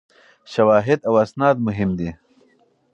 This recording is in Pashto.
شواهد او اسناد مهم دي.